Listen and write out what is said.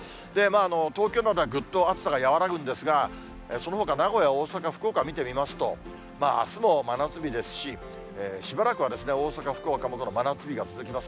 東京などはぐっと暑さが和らぐんですが、そのほか名古屋、大阪、福岡見てみますと、あすも真夏日ですし、しばらくは大阪、福岡も真夏日が続きます。